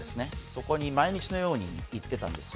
そこに毎日のように行ってたんです。